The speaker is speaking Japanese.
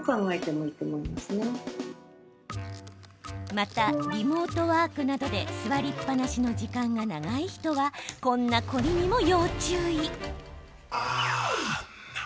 また、リモートワークなど座りっぱなしの時間が長い人はこんな凝りにも要注意。